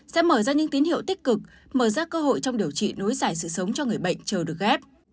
sẽ mở ra những tín hiệu tích cực mở ra cơ hội trong điều trị nối giải sự sống cho người bệnh chờ được ghép